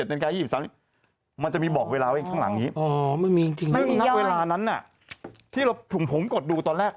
ในกาย๒๓มันจะมีบอกเวลาเพียงข้างหลังนี้อ๋อไม่มีไม่มีเยอะทั้งเวลานั้นที่เราถุงผมกดดูตอนแรก